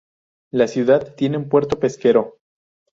La ciudad tiene un puerto pesquero.